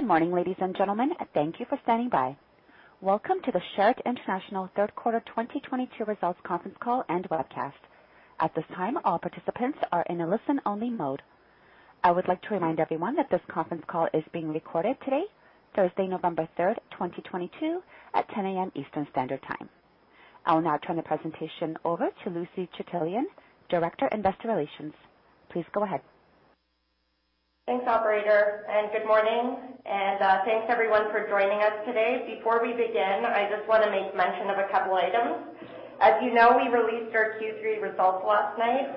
Good morning, ladies and gentlemen. Thank you for standing by. Welcome to the Sherritt International third quarter 2022 results conference call and webcast. At this time, all participants are in a listen-only mode. I would like to remind everyone that this conference call is being recorded today, Thursday, November 3rd, 2022 at 10:00 A.M. Eastern Standard Time. I will now turn the presentation over to Lucy Chitilian, Director, Investor Relations. Please go ahead. Thanks operator, and good morning. Thanks everyone for joining us today. Before we begin, I just wanna make mention of a couple items. As you know, we released our Q3 results last night,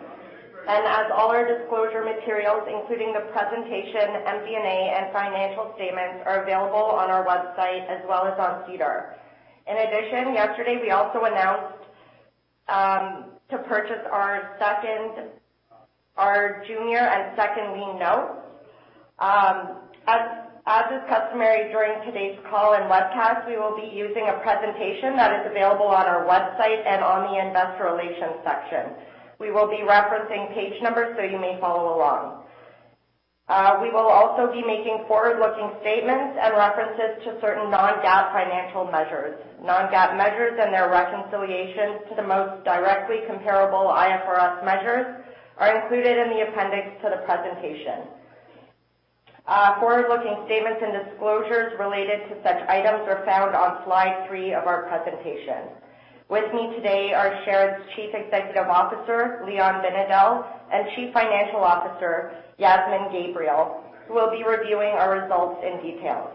and, as all our disclosure materials, including the presentation, MD&A, and financial statements are available on our website as well as on SEDAR. In addition, yesterday, we also announced to purchase our junior and second lien notes. As is customary during today's call and webcast, we will be using a presentation that is available on our website and on the investor relations section. We will be referencing page numbers so you may follow along. We will also be making forward-looking statements and references to certain Non-GAAP financial measures. Non-GAAP measures and their reconciliation to the most directly comparable IFRS measures are included in the appendix to the presentation. Forward-looking statements and disclosures related to such items are found on slide three of our presentation. With me today are Sherritt's Chief Executive Officer, Leon Binedell, and Chief Financial Officer, Yasmin Gabriel, who will be reviewing our results in detail.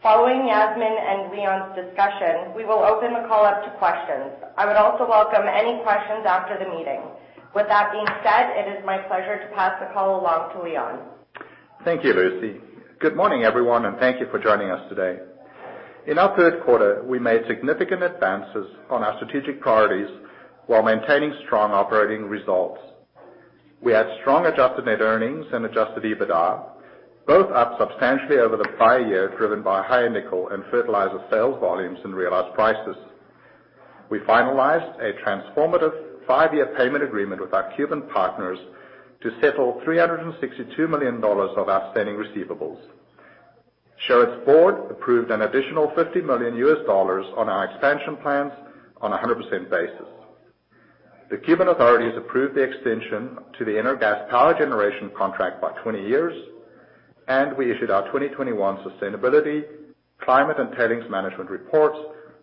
Following Yasmin and Leon's discussion, we will open the call up to questions. I would also welcome any questions after the meeting. With that being said, it is my pleasure to pass the call along to Leon. Thank you, Lucy. Good morning, everyone, and thank you for joining us today. In our third quarter, we made significant advances on our strategic priorities while maintaining strong operating results. We had strong adjusted net earnings and adjusted EBITDA, both up substantially over the prior year, driven by higher nickel and fertilizer sales volumes and realized prices. We finalized a transformative five-year payment agreement with our Cuban partners to settle 362 million dollars of outstanding receivables. Sherritt's board approved an additional $50 million on our expansion plans on a 100% basis. The Cuban authorities approved the extension to the Energas power generation contract by 20 years, and we issued our 2021 sustainability, climate, and tailings management reports,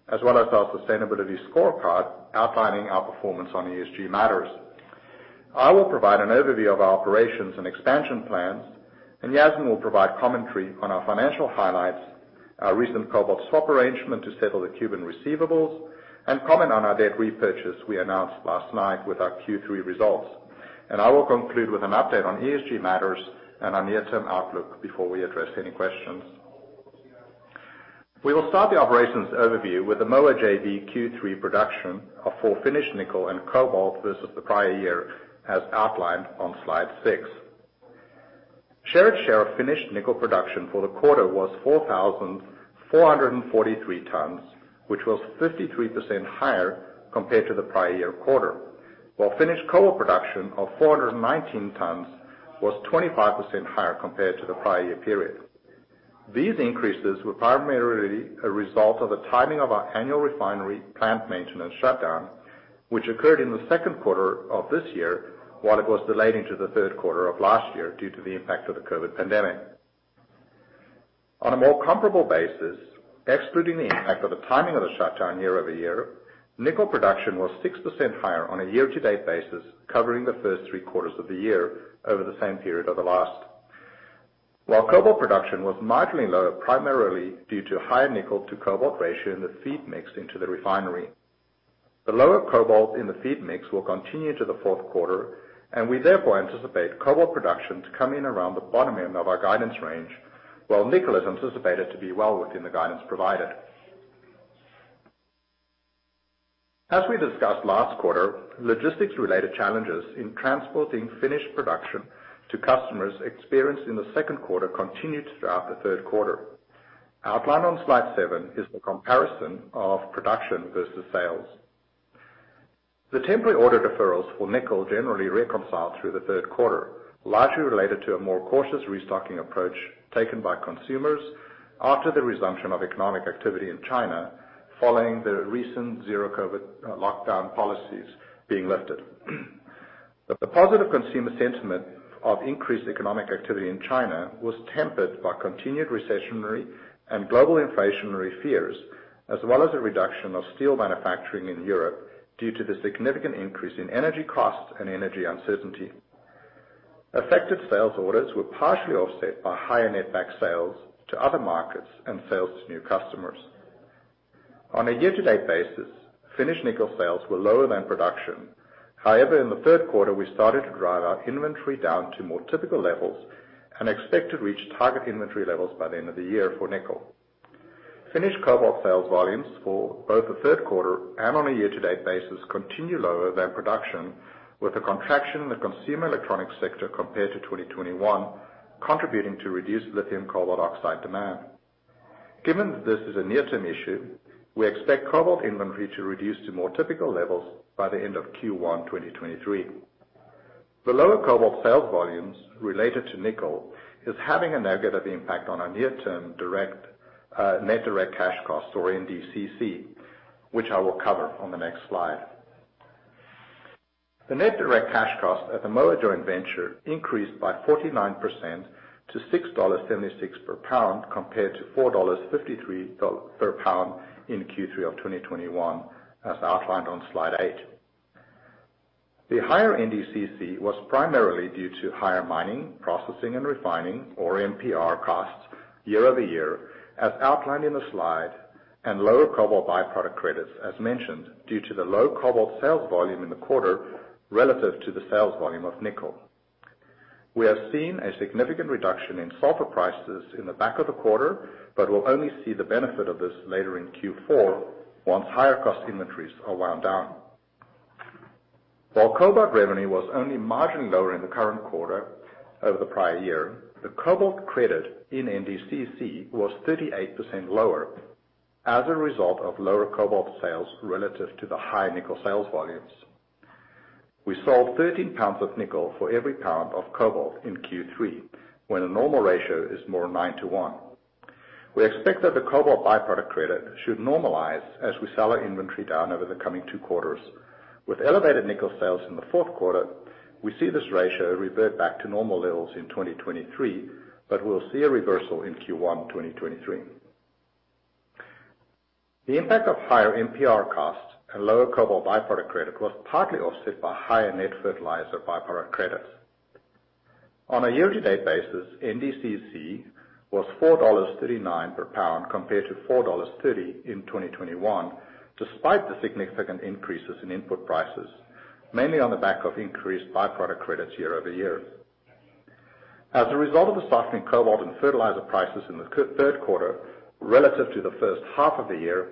as well as our sustainability scorecard outlining our performance on ESG matters. I will provide an overview of our operations and expansion plans, and Yasmin will provide commentary on our financial highlights, our recent cobalt swap arrangement to settle the Cuban receivables, and comment on our debt repurchase we announced last night with our Q3 results. I will conclude with an update on ESG matters and our near-term outlook before we address any questions. We will start the operations overview with the Moa JV Q3 production of fully finished nickel and cobalt versus the prior year, as outlined on slide six. Sherritt's share of finished nickel production for the quarter was 4,443 tons, which was 53% higher compared to the prior year quarter. While finished cobalt production of 419 tons was 25% higher compared to the prior year period. These increases were primarily a result of the timing of our annual refinery plant maintenance shutdown, which occurred in the second quarter of this year, while it was delayed into the third quarter of last year due to the impact of the COVID pandemic. On a more comparable basis, excluding the impact of the timing of the shutdown year over year, nickel production was 6% higher on a year-to-date basis, covering the first three quarters of the year over the same period of the last. While cobalt production was marginally lower, primarily due to higher nickel to cobalt ratio in the feed mix into the refinery. The lower cobalt in the feed mix will continue to the fourth quarter, and we therefore anticipate cobalt production to come in around the bottom end of our guidance range, while nickel is anticipated to be well within the guidance provided. As we discussed last quarter, logistics-related challenges in transporting finished production to customers experienced in the second quarter continued throughout the third quarter. Outlined on slide seven is the comparison of production versus sales. The temporary order deferrals for nickel generally reconciled through the third quarter, largely related to a more cautious restocking approach taken by consumers after the resumption of economic activity in China following the recent zero COVID lockdown policies being lifted. The positive consumer sentiment of increased economic activity in China was tempered by continued recessionary and global inflationary fears, as well as a reduction of steel manufacturing in Europe due to the significant increase in energy costs and energy uncertainty. Affected sales orders were partially offset by higher net back sales to other markets and sales to new customers. On a year-to-date basis, finished nickel sales were lower than production. However, in the third quarter, we started to drive our inventory down to more typical levels and expect to reach target inventory levels by the end of the year for nickel. Finished cobalt sales volumes for both the third quarter and on a year-to-date basis continue lower than production, with a contraction in the consumer electronics sector compared to 2021 contributing to reduced lithium cobalt oxide demand. Given this is a near-term issue, we expect cobalt inventory to reduce to more typical levels by the end of Q1, 2023. The lower cobalt sales volumes related to nickel is having a negative impact on our near-term direct, net direct cash costs or NDCC, which I will cover on the next slide. The net direct cash cost at the Moa Joint Venture increased by 49% to $6.76 per pound compared to $4.53 per pound in Q3 of 2021 as outlined on slide eight. The higher NDCC was primarily due to higher mining, processing, and refining or MPR costs year-over-year as outlined in the slide, and lower cobalt by-product credits as mentioned, due to the low cobalt sales volume in the quarter relative to the sales volume of nickel. We have seen a significant reduction in sulfur prices in the back half of the quarter, but we'll only see the benefit of this later in Q4 once higher cost inventories are wound down. While cobalt revenue was only marginally lower in the current quarter over the prior year, the cobalt credit in NDCC was 38% lower as a result of lower cobalt sales relative to the high nickel sales volumes. We sold 13 pounds of nickel for every pound of cobalt in Q3, when a normal ratio is more 9:1. We expect that the cobalt by-product credit should normalize as we sell our inventory down over the coming two quarters. With elevated nickel sales in the fourth quarter, we see this ratio revert back to normal levels in 2023, but we'll see a reversal in Q1 2023. The impact of higher MPR costs and lower cobalt by-product credit was partly offset by higher net fertilizer by-product credits. On a year-to-date basis, NDCC was 4.39 dollars per pound compared to 4.30 dollars in 2021, despite the significant increases in input prices, mainly on the back of increased by-product credits year-over-year. As a result of the softening cobalt and fertilizer prices in the third quarter relative to the first half of the year,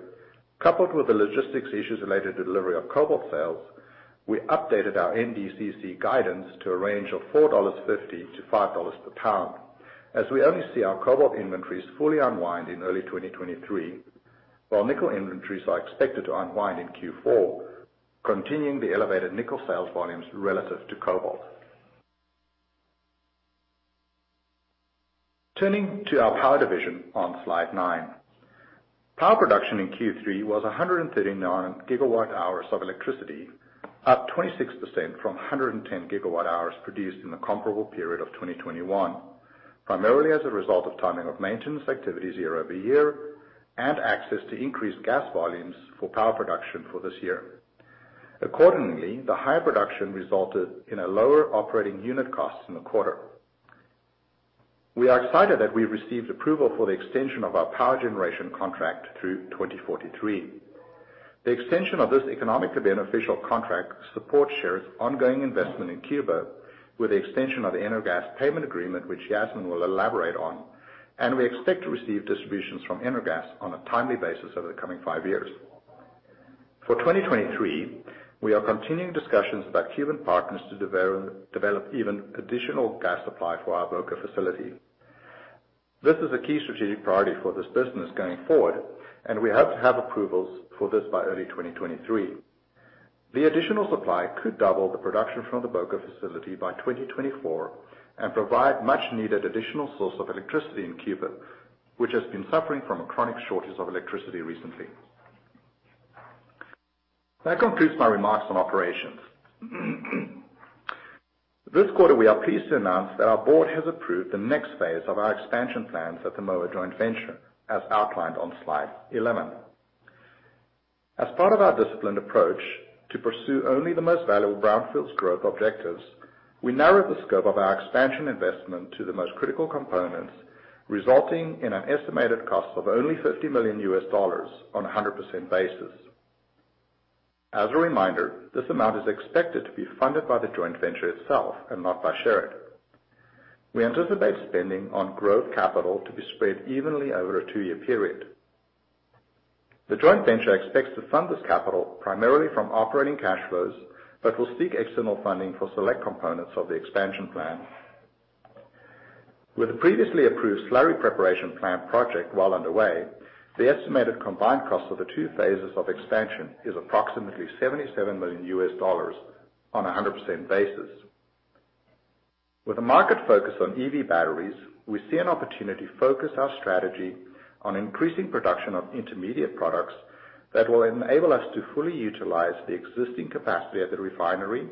coupled with the logistics issues related to delivery of cobalt sales, we updated our NDCC guidance to a range of 4.50-5.00 dollars per pound, as we only see our cobalt inventories fully unwind in early 2023, while nickel inventories are expected to unwind in Q4, continuing the elevated nickel sales volumes relative to cobalt. Turning to our power division on slide nine. Power production in Q3 was 139 GWh of electricity, up 26% from 110 GWh produced in the comparable period of 2021, primarily as a result of timing of maintenance activities year-over-year and access to increased gas volumes for power production for this year. Accordingly, the higher production resulted in a lower operating unit cost in the quarter. We are excited that we received approval for the extension of our power generation contract through 2043. The extension of this economically beneficial contract supports Sherritt's ongoing investment in Cuba with the extension of the Energas payment agreement, which Yasmin will elaborate on, and we expect to receive distributions from Energas on a timely basis over the coming five years. For 2023, we are continuing discussions about Cuban partners to develop even additional gas supply for our Boca facility. This is a key strategic priority for this business going forward, and we hope to have approvals for this by early 2023. The additional supply could double the production from the Boca facility by 2024 and provide much needed additional source of electricity in Cuba, which has been suffering from a chronic shortage of electricity recently. That concludes my remarks on operations. This quarter, we are pleased to announce that our board has approved the next phase of our expansion plans at the Moa Joint Venture as outlined on Slide 11. As part of our disciplined approach to pursue only the most valuable brownfields growth objectives, we narrowed the scope of our expansion investment to the most critical components, resulting in an estimated cost of only $50 million on a 100% basis. As a reminder, this amount is expected to be funded by the joint venture itself and not by Sherritt. We anticipate spending on growth capital to be spread evenly over a two-year period. The joint venture expects to fund this capital primarily from operating cash flows, but will seek external funding for select components of the expansion plan. With the previously approved slurry preparation plant project well underway, the estimated combined cost of the two phases of expansion is approximately $77 million on a 100% basis. With the market focus on EV batteries, we see an opportunity to focus our strategy on increasing production of intermediate products that will enable us to fully utilize the existing capacity at the refinery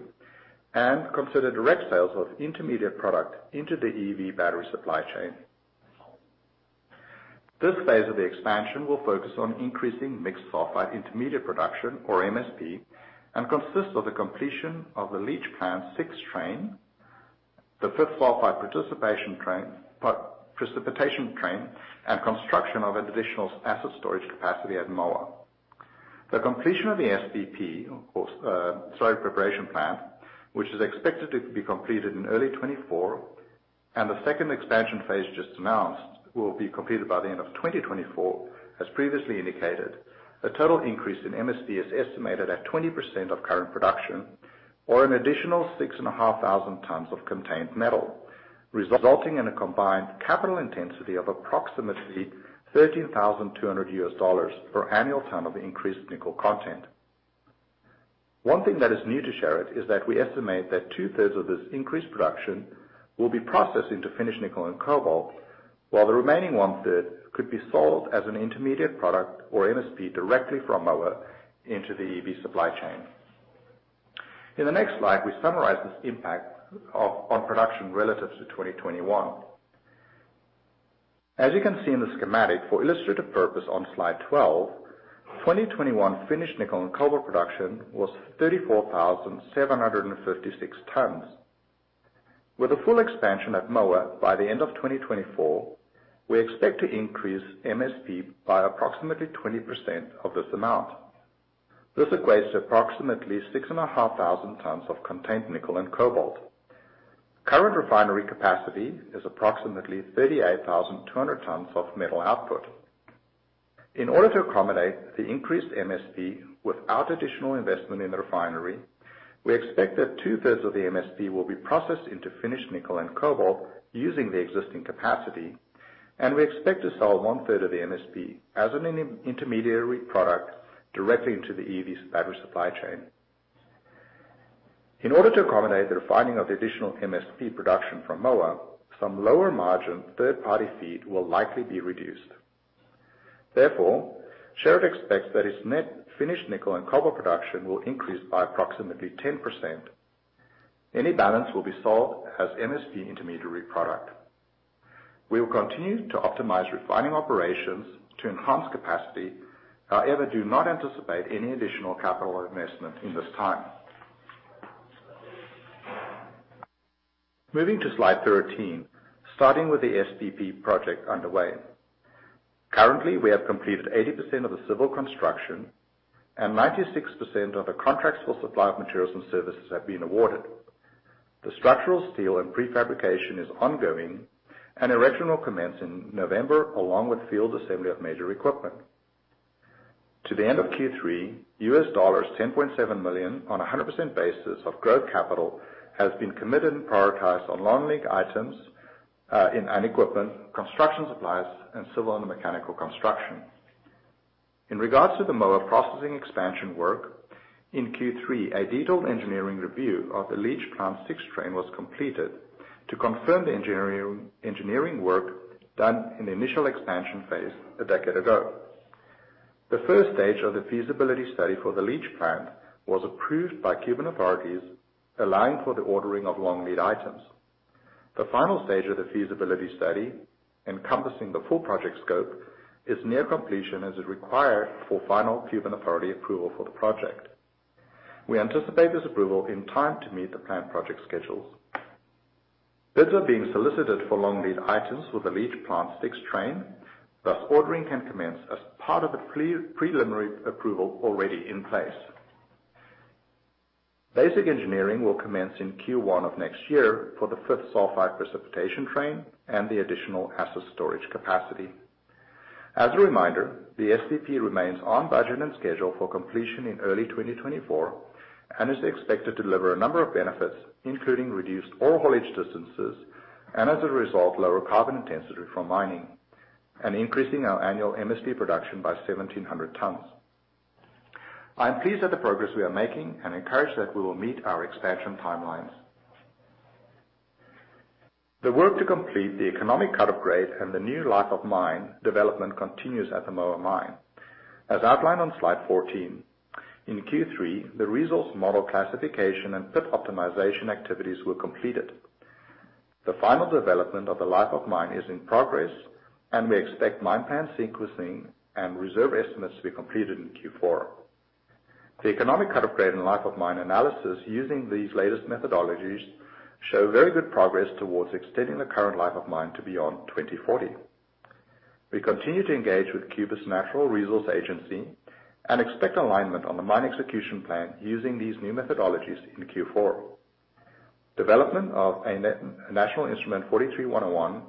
and consider direct sales of intermediate product into the EV battery supply chain. This phase of the expansion will focus on increasing mixed sulfide intermediate production, or MSP, and consists of the completion of the leach plant's sixth train, the fifth precipitation train, and construction of additional acid storage capacity at Moa. The completion of the SPP, of course, slurry preparation plant, which is expected to be completed in early 2024, and the second expansion phase just announced will be completed by the end of 2024, as previously indicated. The total increase in MSP is estimated at 20% of current production, or an additional 6,500 tons of contained metal, resulting in a combined capital intensity of approximately $13,200 per annual ton of increased nickel content. One thing that is new to Sherritt is that we estimate that two-thirds of this increased production will be processed into finished nickel and cobalt, while the remaining one-third could be sold as an intermediate product or MSP directly from Moa into the EV supply chain. In the next slide, we summarize this impact on production relative to 2021. As you can see in the schematic for illustrative purpose on Slide 12, 2021 finished nickel and cobalt production was 34,756 tons. With a full expansion at Moa by the end of 2024, we expect to increase MSP by approximately 20% of this amount. This equates to approximately 6,500 tons of contained nickel and cobalt. Current refinery capacity is approximately 38,200 tons of metal output. In order to accommodate the increased MSP without additional investment in the refinery, we expect that two-thirds of the MSP will be processed into finished nickel and cobalt using the existing capacity, and we expect to sell one-third of the MSP as an intermediate product directly into the EV battery supply chain. In order to accommodate the refining of the additional MSP production from Moa, some lower margin third-party feed will likely be reduced. Therefore, Sherritt expects that its net finished nickel and cobalt production will increase by approximately 10%. Any balance will be sold as MSP intermediate product. We will continue to optimize refining operations to enhance capacity, however, do not anticipate any additional capital investment in this time. Moving to Slide 13. Starting with the SPP project underway. Currently, we have completed 80% of the civil construction and 96% of the contracts for supply of materials and services have been awarded. The structural steel and prefabrication is ongoing, and erection will commence in November, along with field assembly of major equipment. To the end of Q3, $10.7 million on a 100% basis of growth capital has been committed and prioritized on long lead items, including equipment, construction supplies, and civil and mechanical construction. In regards to the Moa processing expansion work, in Q3, a detailed engineering review of the leach plant six train was completed to confirm the engineering work done in the initial expansion phase a decade ago. The first stage of the feasibility study for the leach plant was approved by Cuban authorities, allowing for the ordering of long lead items. The final stage of the feasibility study, encompassing the full project scope, is near completion as is required for final Cuban authority approval for the project. We anticipate this approval in time to meet the plant project schedules. Bids are being solicited for long lead items with the leach plant sixth train, thus ordering can commence as part of the preliminary approval already in place. Basic engineering will commence in Q1 of next year for the fifth sulfide precipitation train and the additional acid storage capacity. As a reminder, the SPP remains on budget and schedule for completion in early 2024 and is expected to deliver a number of benefits, including reduced ore haulage distances, and as a result, lower carbon intensity from mining and increasing our annual MSP production by 1,700 tons. I am pleased at the progress we are making and encouraged that we will meet our expansion timelines. The work to complete the economic cut-off grade and the new life of mine development continues at the Moa Mine. As outlined on Slide 14, in Q3, the resource model classification and pit optimization activities were completed. The final development of the life of mine is in progress, and we expect mine plan sequencing and reserve estimates to be completed in Q4. The economic cut-off grade and life of mine analysis using these latest methodologies show very good progress towards extending the current life of mine to beyond 2040. We continue to engage with Cuba's Natural Resource Agency and expect alignment on the mine execution plan using these new methodologies in Q4. Development of a National Instrument 43-101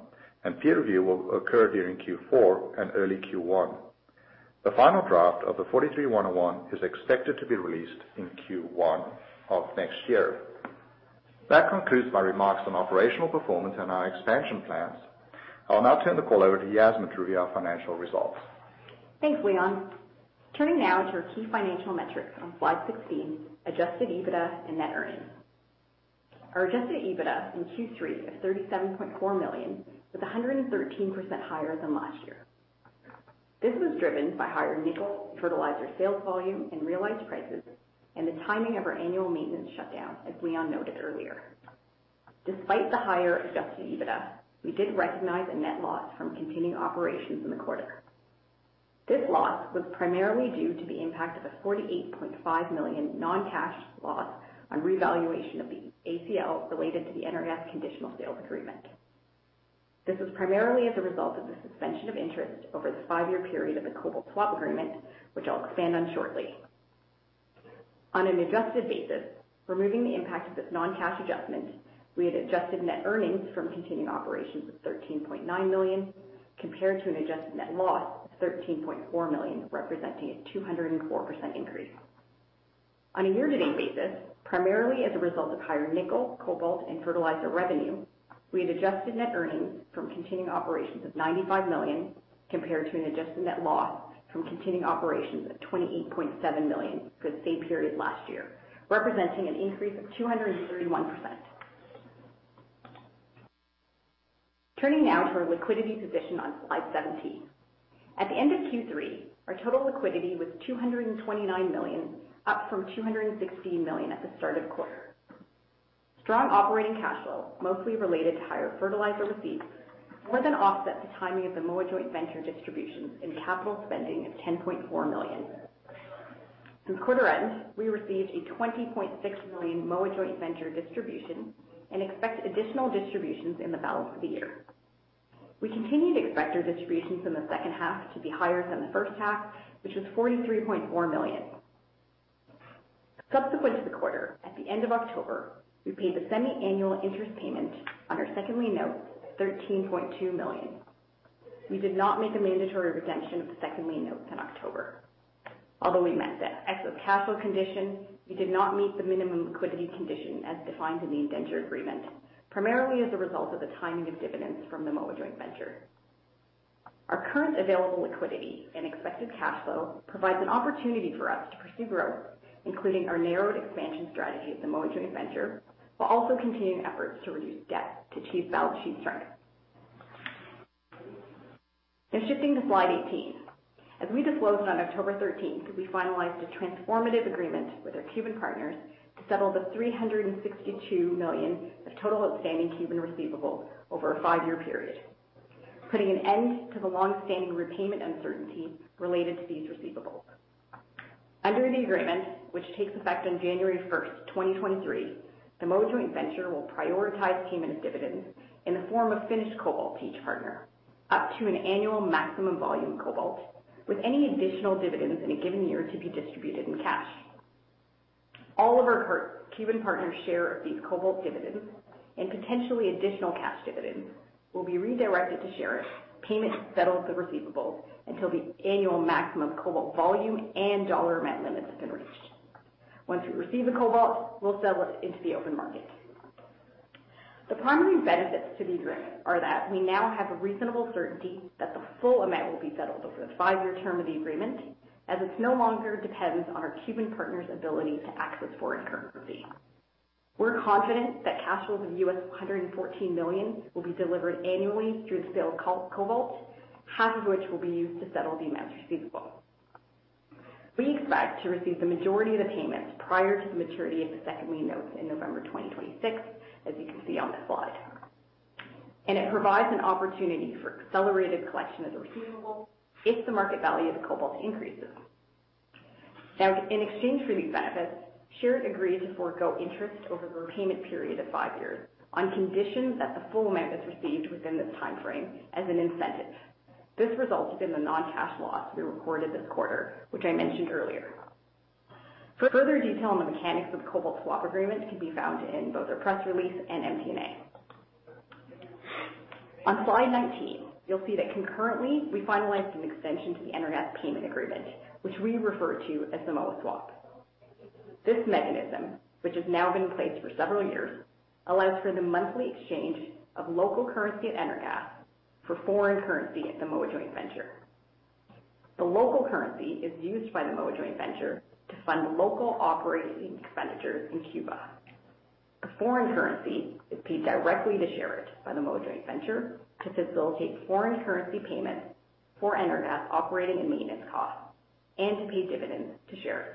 and peer review will occur during Q4 and early Q1. The final draft of the National Instrument 43-101 is expected to be released in Q1 of next year. That concludes my remarks on operational performance and our expansion plans. I'll now turn the call over to Yasmin to review our financial results. Thanks, Leon. Turning now to our key financial metrics on Slide 16, adjusted EBITDA and net earnings. Our adjusted EBITDA in Q3 of 37.4 million was 113% higher than last year. This was driven by higher nickel and fertilizer sales volume and realized prices and the timing of our annual maintenance shutdown, as Leon noted earlier. Despite the higher adjusted EBITDA, we did recognize a net loss from continuing operations in the quarter. This loss was primarily due to the impact of a 48.5 million non-cash loss on revaluation of the ACL related to the NRF conditional sales agreement. This was primarily as a result of the suspension of interest over the five-year period of the cobalt swap agreement, which I'll expand on shortly. On an adjusted basis, removing the impact of non-cash adjustments, we had adjusted net earnings from continuing operations of 13.9 million, compared to an adjusted net loss of 13.4 million, representing a 204% increase. On a year-to-date basis, primarily as a result of higher nickel, cobalt and fertilizer revenue, we had adjusted net earnings from continuing operations of 95 million, compared to an adjusted net loss from continuing operations of 28.7 million for the same period last year, representing an increase of 231%. Turning now to our liquidity position on Slide 17. At the end of Q3, our total liquidity was 229 million, up from 216 million at the start of the quarter. Strong operating cash flow, mostly related to higher fertilizer receipts, more than offset the timing of the Moa Joint Venture distributions and capital spending of 10.4 million. Through quarter end, we received a 20.6 million Moa Joint Venture distribution and expect additional distributions in the balance of the year. We continue to expect our distributions in the second half to be higher than the first half, which was 43.4 million. Subsequent to the quarter, at the end of October, we paid the semi-annual interest payment on our second lien note, 13.2 million. We did not make a mandatory redemption of the second lien notes in October. Although we met that excess cash flow condition, we did not meet the minimum liquidity condition as defined in the indenture agreement, primarily as a result of the timing of dividends from the Moa Joint Venture. Our current available liquidity and expected cash flow provides an opportunity for us to pursue growth, including our narrowed expansion strategy at the Moa Joint Venture, while also continuing efforts to reduce debt to achieve balance sheet strength. Now shifting to Slide 18. As we disclosed on October 13th, we finalized a transformative agreement with our Cuban partners to settle 362 million of total outstanding Cuban receivables over a five-year period, putting an end to the long-standing repayment uncertainty related to these receivables. Under the agreement, which takes effect on January 1st, 2023, the Moa Joint Venture will prioritize payment of dividends in the form of finished cobalt to each partner, up to an annual maximum volume cobalt, with any additional dividends in a given year to be distributed in cash. All of our Cuban partners' share of these cobalt dividends, and potentially additional cash dividends, will be redirected to Sherritt. Payment settles the receivables until the annual maximum cobalt volume and dollar amount limits have been reached. Once we receive the cobalt, we'll sell it into the open market. The primary benefits to the agreement are that we now have reasonable certainty that the full amount will be settled over the five-year term of the agreement, as it no longer depends on our Cuban partners' ability to access foreign currency. We're confident that cash flows of $114 million will be delivered annually through the sale of cobalt, half of which will be used to settle the amount receivable. We expect to receive the majority of the payments prior to the maturity of the second lien notes in November 2026, as you can see on this slide. It provides an opportunity for accelerated collection of the receivable if the market value of the cobalt increases. Now, in exchange for these benefits, Sherritt agreed to forego interest over the repayment period of five years on condition that the full amount is received within this timeframe as an incentive. This results in the non-cash loss we recorded this quarter, which I mentioned earlier. For further detail on the mechanics of the cobalt swap agreement can be found in both our press release and MD&A. On Slide 19, you'll see that concurrently we finalized an extension to the Energas payment agreement, which we refer to as the Moa Swap. This mechanism, which has now been in place for several years, allows for the monthly exchange of local currency at Energas for foreign currency at the Moa Joint Venture. The local currency is used by the Moa Joint Venture to fund local operating expenditures in Cuba. The foreign currency is paid directly to Sherritt by the Moa Joint Venture to facilitate foreign currency payments for Energas operating and maintenance costs, and to pay dividends to Sherritt.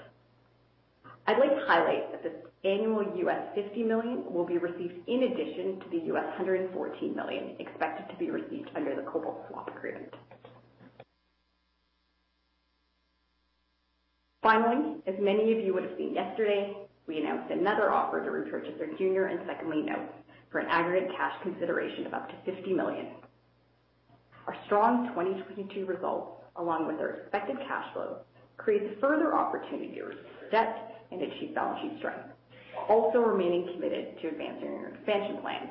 I'd like to highlight that this annual $50 million will be received in addition to the $114 million expected to be received under the cobalt swap agreement. Finally, as many of you would have seen yesterday, we announced another offer to repurchase our junior and second lien notes for an aggregate cash consideration of up to 50 million. Our strong 2022 results, along with our expected cash flow, creates a further opportunity to reduce our debt and achieve balance sheet strength, while also remaining committed to advancing our expansion plans,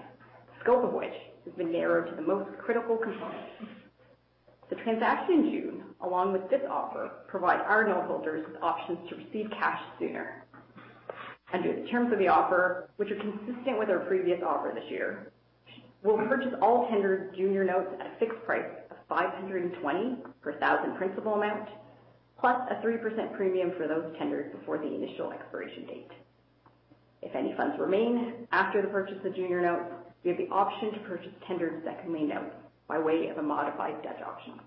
the scope of which has been narrowed to the most critical components. The transaction in June, along with this offer, provide our note holders with options to receive cash sooner. Under the terms of the offer, which are consistent with our previous offer this year, we'll purchase all tendered junior notes at a fixed price of $520 per $1,000 principal amount, plus a 3% premium for those tendered before the initial expiration date. If any funds remain after the purchase of junior notes, we have the option to purchase tendered second lien notes by way of a modified Dutch auction.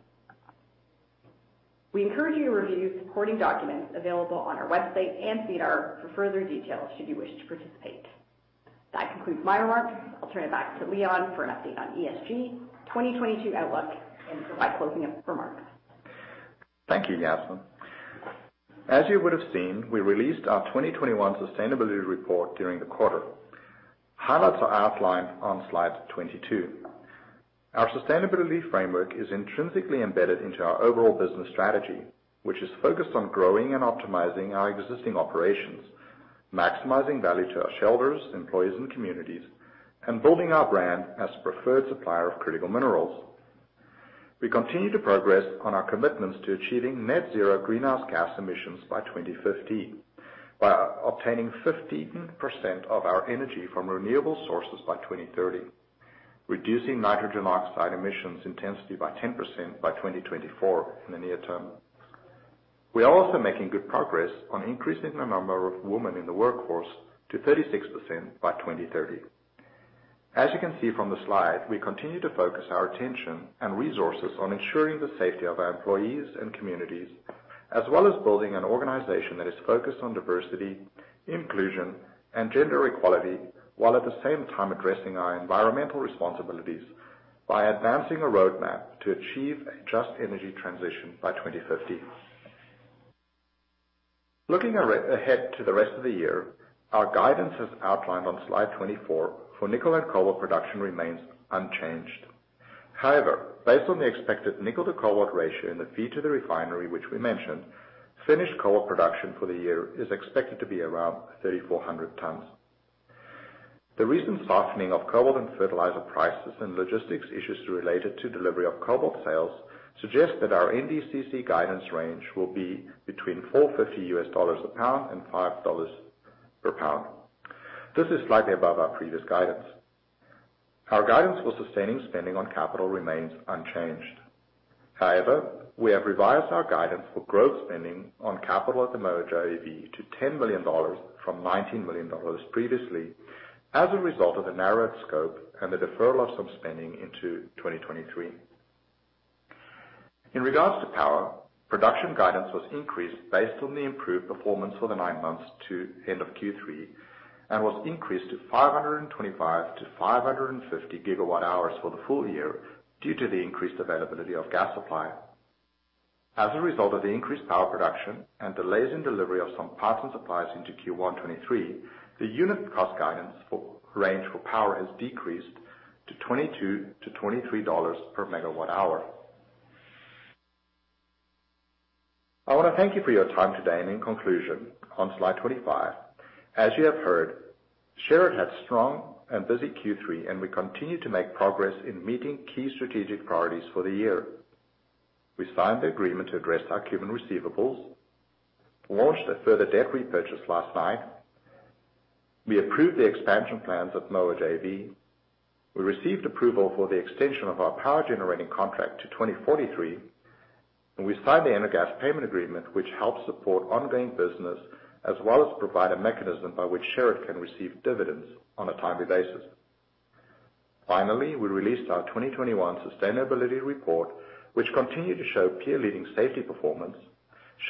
We encourage you to review the supporting documents available on our website and SEDAR for further details should you wish to participate. That concludes my remarks. I'll turn it back to Leon for an update on ESG, 2022 outlook, and for my closing remarks. Thank you, Yasmin. As you would have seen, we released our 2021 sustainability report during the quarter. Highlights are outlined on Slide 22. Our sustainability framework is intrinsically embedded into our overall business strategy, which is focused on growing and optimizing our existing operations, maximizing value to our shareholders, employees, and communities, and building our brand as a preferred supplier of critical minerals. We continue to progress on our commitments to achieving net zero greenhouse gas emissions by 2015 by obtaining 15% of our energy from renewable sources by 2030, reducing nitrogen oxide emissions intensity by 10% by 2024 in the near term. We are also making good progress on increasing the number of women in the workforce to 36% by 2030. As you can see from the slide, we continue to focus our attention and resources on ensuring the safety of our employees and communities, as well as building an organization that is focused on diversity, inclusion, and gender equality, while at the same time addressing our environmental responsibilities by advancing a roadmap to achieve a just energy transition by 2050. Looking ahead to the rest of the year, our guidance as outlined on Slide 24 for nickel and cobalt production remains unchanged. However, based on the expected nickel to cobalt ratio in the feed to the refinery, which we mentioned, finished cobalt production for the year is expected to be around 3,400 tons. The recent softening of cobalt and fertilizer prices and logistics issues related to delivery of cobalt sales suggest that our NDCC guidance range will be between $4.50 and $5 per pound. This is slightly above our previous guidance. Our guidance for sustaining spending on capital remains unchanged. However, we have revised our guidance for growth spending on capital at the Moa JV to $10 million from $19 million previously as a result of the narrowed scope and the deferral of some spending into 2023. In regards to power, production guidance was increased based on the improved performance for the nine months to end of Q3 and was increased to 525 GWh-550 GWh for the full year due to the increased availability of gas supply. As a result of the increased power production and delays in delivery of some parts and supplies into Q1 2023, the unit cost guidance range for power has decreased to $22 MWh-$23 MWh. I wanna thank you for your time today. In conclusion, on Slide 25, as you have heard, Sherritt had strong and busy Q3, and we continue to make progress in meeting key strategic priorities for the year. We signed the agreement to address our Cuban receivables, launched a further debt repurchase last night. We approved the expansion plans at Moa JV. We received approval for the extension of our power generating contract to 2043, and we signed the Energas payment agreement, which helps support ongoing business as well as provide a mechanism by which Sherritt can receive dividends on a timely basis. Finally, we released our 2021 sustainability report, which continued to show peer leading safety performance,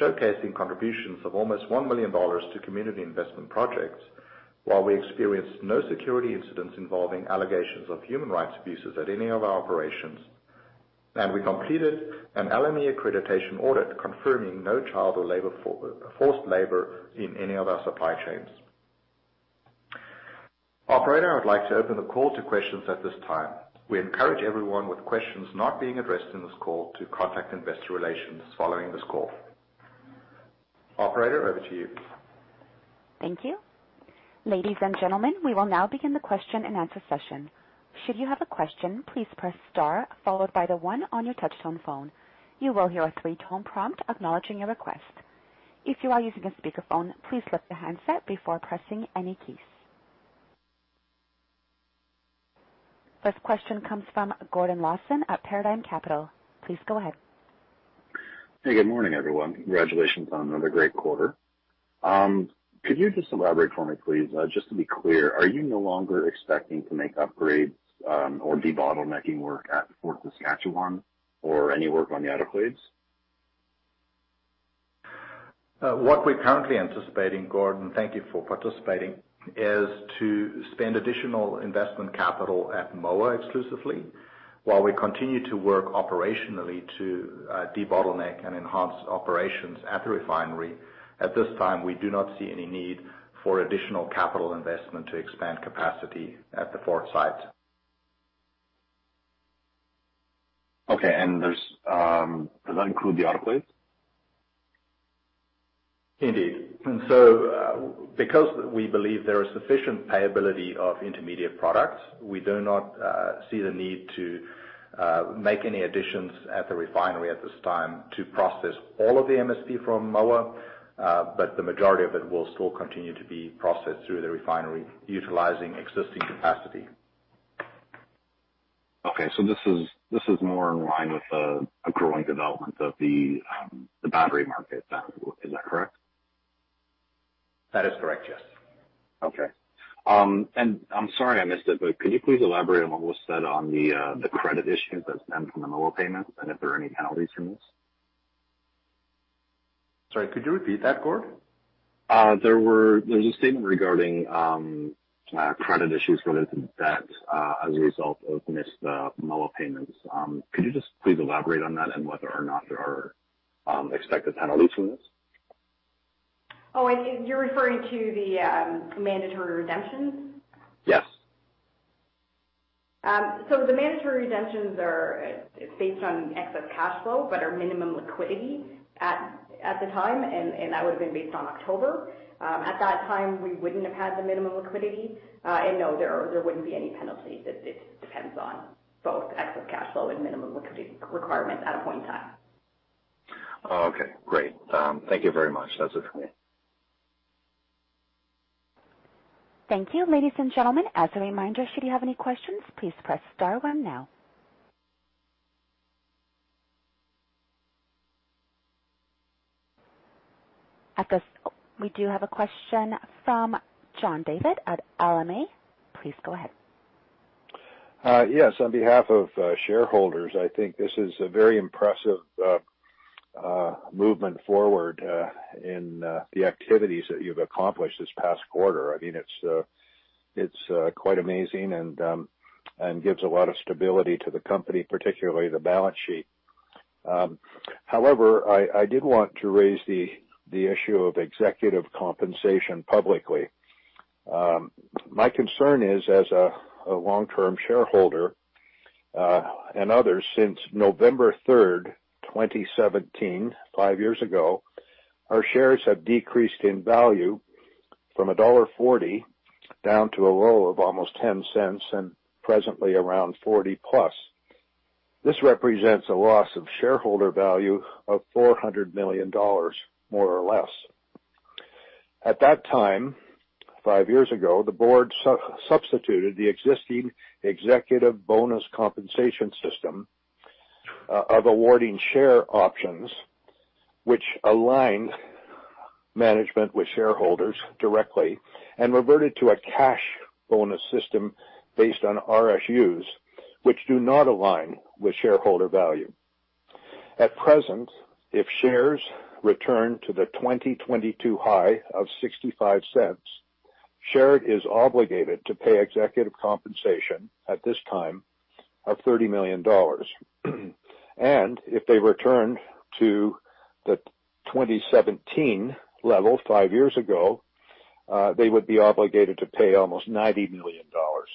showcasing contributions of almost 1 million dollars to community investment projects while we experienced no security incidents involving allegations of human rights abuses at any of our operations. We completed an LME accreditation audit confirming no child or forced labor in any of our supply chains. Operator, I would like to open the call to questions at this time. We encourage everyone with questions not being addressed in this call to contact Investor Relations following this call. Operator, over to you. Thank you. Ladies and gentlemen, we will now begin the question-and-answer session. Should you have a question, please press star followed by the one on your touchtone phone. You will hear a three-tone prompt acknowledging your request. If you are using a speakerphone, please lift the handset before pressing any keys. First question comes from Gordon Lawson at Paradigm Capital. Please go ahead. Hey, good morning, everyone. Congratulations on another great quarter. Could you just elaborate for me, please, just to be clear, are you no longer expecting to make upgrades, or debottlenecking work at Fort Saskatchewan or any work on the autoclaves? What we're currently anticipating, Gordon, thank you for participating, is to spend additional investment capital at Moa exclusively while we continue to work operationally to debottleneck and enhance operations at the refinery. At this time, we do not see any need for additional capital investment to expand capacity at the Fort site. Okay. Does that include the autoclaves? Indeed. Because we believe there is sufficient viability of intermediate products, we do not see the need to make any additions at the refinery at this time to process all of the MSP from Moa, but the majority of it will still continue to be processed through the refinery utilizing existing capacity. Okay. This is more in line with the growing development of the battery market. Is that correct? That is correct, yes. Okay. I'm sorry I missed it, but could you please elaborate on what was said on the credit issues that stemmed from the Moa payment and if there are any penalties from this? Sorry, could you repeat that, Gordon? There's a statement regarding credit issues related to debt as a result of missed Moa payments. Could you just please elaborate on that and whether or not there are expected penalties from this? Oh, you're referring to the mandatory redemptions? Yes. The mandatory redemptions are based on excess cash flow, but are minimum liquidity at the time, and that would have been based on October. At that time, we wouldn't have had the minimum liquidity. No, there wouldn't be any penalty. It depends on both excess cash flow and minimum liquidity requirements at a point in time. Oh, okay. Great. Thank you very much. That's it for me. Thank you. Ladies and gentlemen, as a reminder, should you have any questions, please press star one now. We do have a question from John David at LMA. Please go ahead. Yes. On behalf of shareholders, I think this is a very impressive movement forward in the activities that you've accomplished this past quarter. I mean, it's quite amazing and gives a lot of stability to the company, particularly the balance sheet. However, I did want to raise the issue of executive compensation publicly. My concern is, as a long-term shareholder and others, since November 3rd, 2017, five years ago, our shares have decreased in value from $1.40 down to a low of almost $0.10, and presently around $0.40+. This represents a loss of shareholder value of 400 million dollars, more or less. At that time, five years ago, the board substituted the existing executive bonus compensation system of awarding share options which aligned management with shareholders directly and reverted to a cash bonus system based on RSUs, which do not align with shareholder value. At present, if shares return to the 2022 high of 0.65, Sherritt is obligated to pay executive compensation at this time of 30 million dollars. If they return to the 2017 level five years ago, they would be obligated to pay almost 90 million dollars.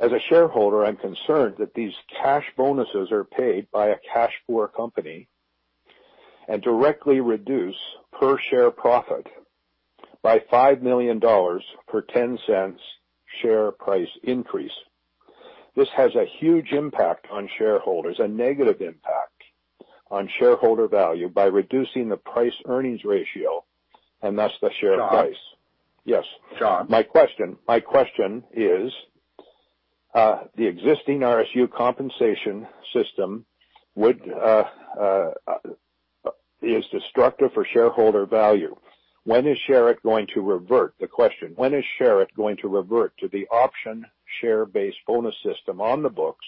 As a shareholder, I'm concerned that these cash bonuses are paid by a cash-poor company and directly reduce per share profit by 5 million dollars per 0.10 share price increase. This has a huge impact on shareholders, a negative impact on shareholder value by reducing the price earnings ratio, and thus the share price. John. Yes. John. My question is, the existing RSU compensation system is destructive for shareholder value. When is Sherritt going to revert to the option share-based bonus system on the books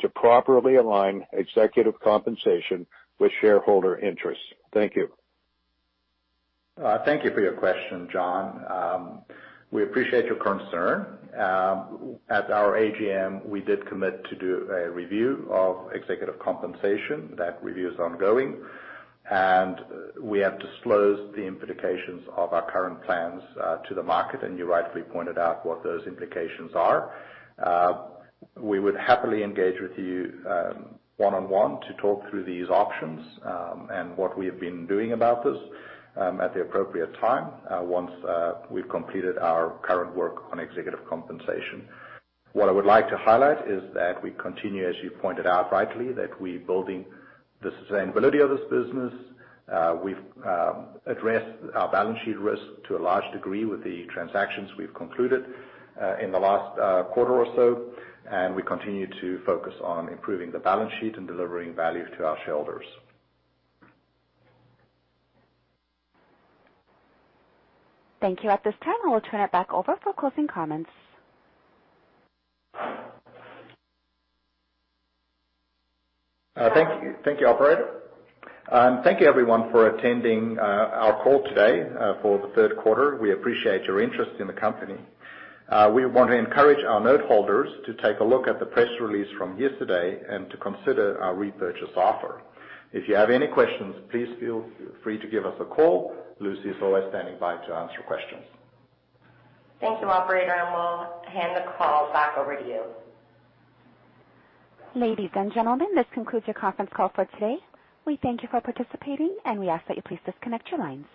to properly align executive compensation with shareholder interests? Thank you. Thank you for your question, John. We appreciate your concern. At our AGM, we did commit to do a review of executive compensation. That review is ongoing, and we have disclosed the implications of our current plans to the market, and you rightly pointed out what those implications are. We would happily engage with you one-on-one to talk through these options and what we have been doing about this at the appropriate time once we've completed our current work on executive compensation. What I would like to highlight is that we continue, as you pointed out rightly, that we're building the sustainability of this business. We've addressed our balance sheet risk to a large degree with the transactions we've concluded in the last quarter or so, and we continue to focus on improving the balance sheet and delivering value to our shareholders. Thank you. At this time, I will turn it back over for closing comments. Thank you. Thank you, operator. Thank you everyone for attending our call today for the third quarter. We appreciate your interest in the company. We want to encourage our note holders to take a look at the press release from yesterday and to consider our repurchase offer. If you have any questions, please feel free to give us a call. Lucy is always standing by to answer questions. Thank you, operator, and we'll hand the call back over to you. Ladies and gentlemen, this concludes your conference call for today. We thank you for participating, and we ask that you please disconnect your lines.